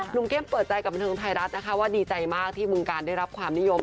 หนุ่มเข้มเปิดใจกับบันเทิงไทยรัฐนะคะว่าดีใจมากที่บึงการได้รับความนิยม